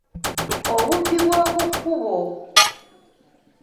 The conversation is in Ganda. Obubi bw’oku kkubo.